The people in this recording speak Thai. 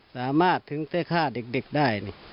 สามารถถึงได้ฆ่าเด็กได้